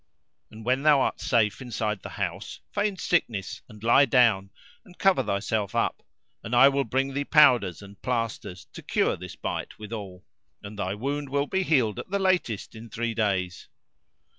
And when thou art safe inside the house feign sickness and lie down and cover thyself up; and I will bring thee powders and plasters to cure this bite withal, and thy wound will be healed at the latest in three days."